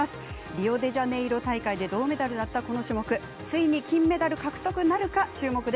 リオデジャネイロ大会で銅メダルだった、この種目ついに金メダル獲得なるか注目です。